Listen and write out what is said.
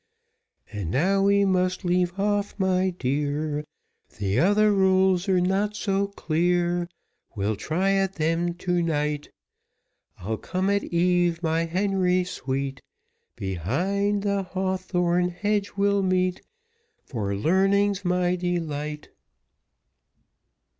"And now we must leave off, my dear; The other rules are not so clear, We'll try at them to night;" "I'll come at eve, my Henry sweet; Behind the hawthorn hedge we'll meet, For learning's my delight."